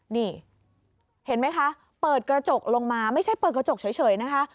นี่เห็นไหมคะเปิดกระจกลงมาไม่ใช่เปิดกระจกเฉยนะคะ